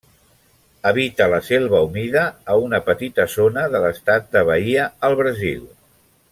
Habita la selva humida a una petita zona de l'Estat de Bahia, al Brasil.